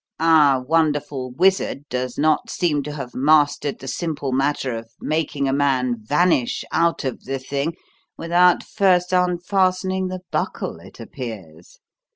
"Our wonderful wizard does not seem to have mastered the simple matter of making a man vanish out of the thing without first unfastening the buckle, it appears.